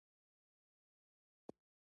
همدا هغه څه دي چې غوره عبادت یاد شوی.